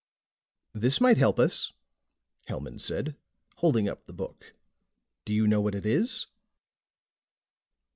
"This might help us," Hellman said, holding up the book. "Do you know what it is?"